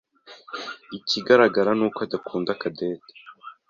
Ikigaragara ni uko adakunda Cadette.